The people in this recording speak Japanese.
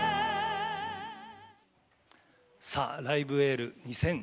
さあ「ライブ・エール２０２１」